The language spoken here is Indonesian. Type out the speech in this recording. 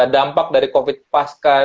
dampak dari covid paska